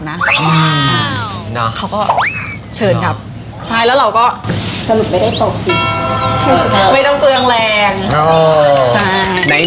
ไม่ต้องตัวยังแรง